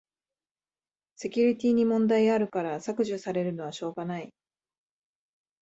セキュリティに問題あるから削除されるのはしょうがない